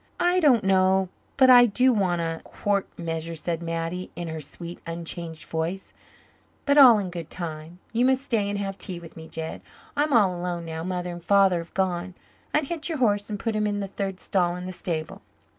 "I don't know but I do want a quart measure," said Mattie, in her sweet, unchanged voice, "but all in good time. You must stay and have tea with me, Jed. I'm all alone now Mother and Father have gone. Unhitch your horse and put him in the third stall in the stable."